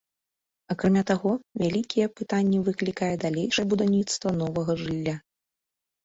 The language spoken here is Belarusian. Акрамя таго, вялікія пытанні выклікае далейшае будаўніцтва новага жылля.